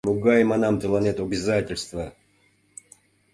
Могай, манам, тыланет обязательство.